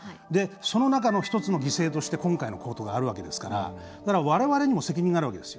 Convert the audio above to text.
その中の１つの犠牲として今回のことがあるわけですからわれわれにも責任があるわけです。